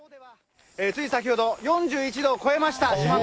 つい先ほど、４１度を超えました。